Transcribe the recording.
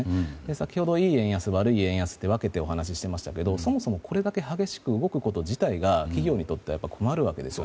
先ほど、いい円安と悪い円安分けて説明しましたがそもそもこれだけ激しく動くこと自体が企業にとって困るわけです。